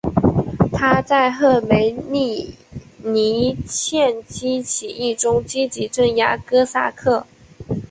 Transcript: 他在赫梅利尼茨基起义中积极镇压哥萨克。